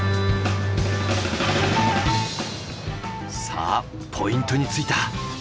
さあポイントに着いた。